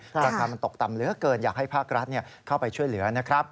ราคามันตกต่ำเหลือเกินอยากให้ภาครัฐเข้าไปช่วยเหลือนะครับ